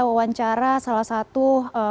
wawancara salah satu